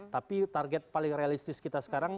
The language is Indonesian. tapi target paling realistis kita sekarang